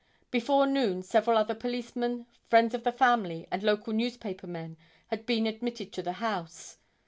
Before noon several other policemen, friends of the family and local newspaper men had been admitted to the house.